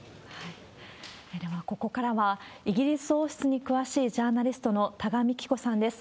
では、ここからはイギリス王室に詳しいジャーナリストの多賀幹子さんです。